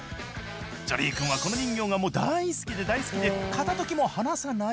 ジョリー君はこの人形がもう大好きで大好きで片時も離さない。